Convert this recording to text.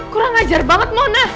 kurang ajar banget mona